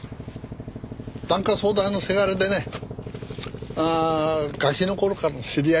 檀家総代のせがれでねああガキの頃からの知り合いだ。